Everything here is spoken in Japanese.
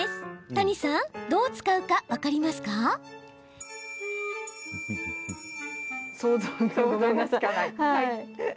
谷さん、どう使うか分かりますか。